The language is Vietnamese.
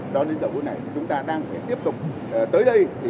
cho đến giờ hôm nay chúng ta đang tiếp tục tới đây